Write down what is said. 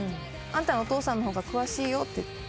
あんたのお父さんの方が詳しいよって。